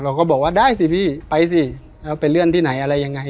ก็บอกว่าได้สิพี่ไปสิแล้วไปเลื่อนที่ไหนอะไรยังไง